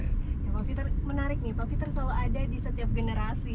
ya pak peter menarik nih pak peter selalu ada di setiap generasi